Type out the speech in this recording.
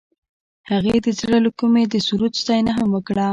هغې د زړه له کومې د سرود ستاینه هم وکړه.